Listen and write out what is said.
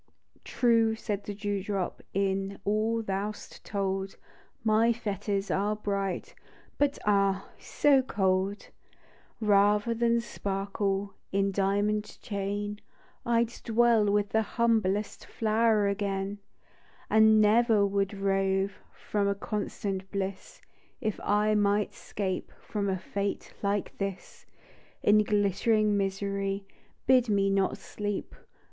" True," said the dew drop, " Is all thou 'st told, My fetters are bright — But ah, so cold !" Bather than sparkle In diamond chain, I'd dwell with the humblest THE DEW DROP. And never would rove From a constant bliss, If I might 'scape From a fate like this ; In glittering misery Bid me not sleep